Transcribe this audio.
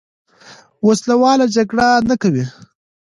وسله واله جګړه نه کوي.